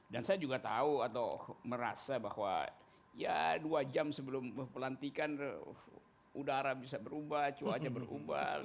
saya juga tahu atau merasa bahwa ya dua jam sebelum pelantikan udara bisa berubah cuaca berubah